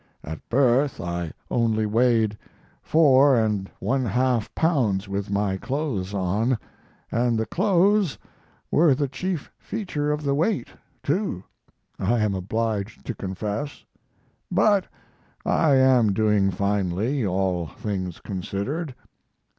At birth I only weighed four and one half pounds with my clothes on and the clothes were the chief feature of the weight, too, I am obliged to confess, but I am doing finely, all things considered....